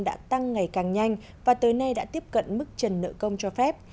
đã tăng ngày càng nhanh và tới nay đã tiếp cận mức trần nợ công cho phép